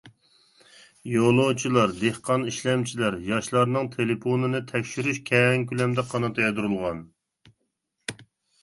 يولۇچىلار، دېھقان ئىشلەمچىلەر، ياشلارنىڭ تېلېفونىنى تەكشۈرۈش كەڭ كۆلەمدە قانات يايدۇرۇلغان.